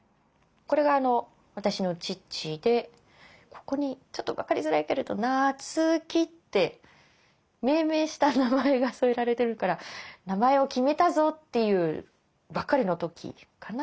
これが私の父でここにちょっと分かりづらいけれど「菜津紀」って命名した名前が添えられてるから名前を決めたぞっていうばっかりの時かな。